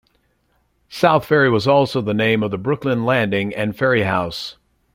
"South Ferry" was also the name of the Brooklyn landing and ferry house.